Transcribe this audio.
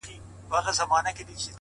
• ړانده وویل بچی د ځناور دی ,